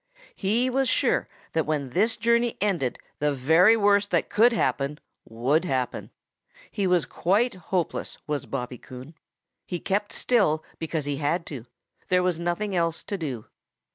He was sure that when this journey ended the very worst that could happen would happen. He was quite hopeless, was Bobby Coon. He kept still because he had to. There was nothing else to do.